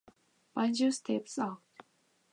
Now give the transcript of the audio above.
Banjo Steps Out.